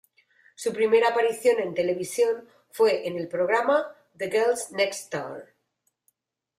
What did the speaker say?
Su primera aparición en televisión fue en el programa "The Girls Next Door".